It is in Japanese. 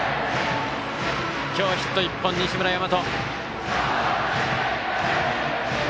今日ヒット１本、西村大和。